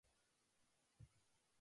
ハッピーハロウィン